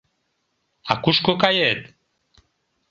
А кушко кает?